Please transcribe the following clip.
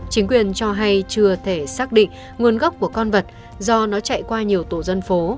chính quyền cho hay chưa thể xác định nguồn gốc của con vật do nó chạy qua nhiều tổ dân phố